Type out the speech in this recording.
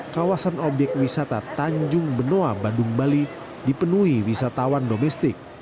kawasan obyek wisata tanjung benoa badung bali dipenuhi wisatawan domestik